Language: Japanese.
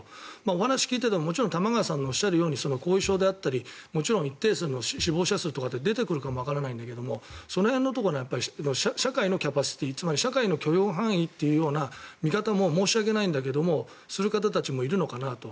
お話を聞いてても玉川さんのおっしゃるように後遺症だったりもちろん一定数の死亡者数って出てくるかもわからないんだけどその辺のところ社会のキャパシティーつまり社会の許容範囲という見方も申し訳ないんだけどもする方たちもいるのかなと。